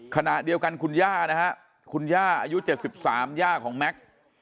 ขณะเดียวกันคุณย่านะฮะคุณย่าอายุ๗๓ย่าของแม็กซ์